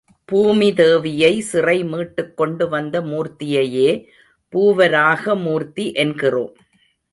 பூமிதேவியை சிறை மீட்டுக் கொண்டு வந்த மூர்த்தியையே பூவராக மூர்த்தி என்கிறோம்.